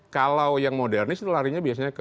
kalau yang modernis itu larinya biasanya ke